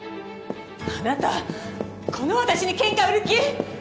あなたこの私にケンカ売る気！？